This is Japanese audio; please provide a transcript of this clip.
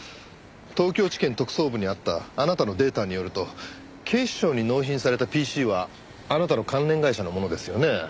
東京地検特捜部にあったあなたのデータによると警視庁に納品されたＰＣはあなたの関連会社のものですよね。